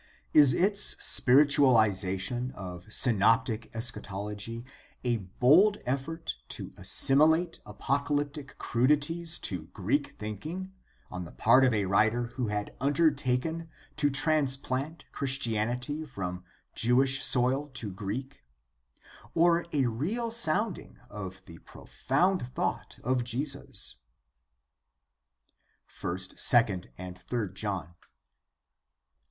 Is its spiritualization of s^ noptic eschatology a bold effort to assimilate apocalyptic crudities to Greek thinking on the part of a writer who had undertaken to transplant Christianity from Jewish soil to Greek, or a real sounding of the profound thought of Jesus ?/,//,/// John.